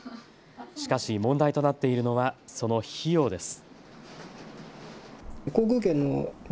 しかし問題となっているのはその費用です。